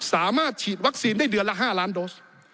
สามารถฉีดวัคซีนได้เดือนละ๕ล้านโดส